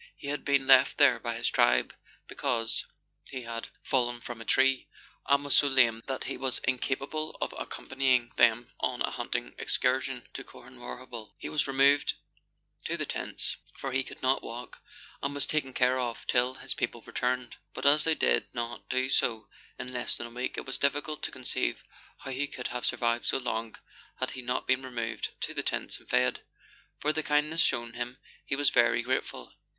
He had been left there by his tribe, because he had fallen from a tree, and was so lame that he was incapable of accompanying them on a hunting excursion to Corhanwarrabtil. He was removed to the tents, for he could not walk, and was taken care of till his people returned ; but as they did not do so in less than a week, it is difficult to conceive how he could have survived so long had he not been removed to the tents and fed. For the kindness shown him he was very grateful.